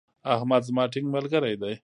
احمد زما ټينګ ملګری دی.